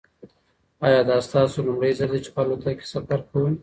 ایا دا ستاسو لومړی ځل دی چې په الوتکه کې سفر کوئ؟